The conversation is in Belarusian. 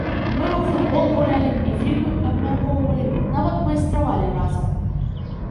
Мы і ў футбол гулялі, і фільмы абмяркоўвалі, нават майстравалі разам.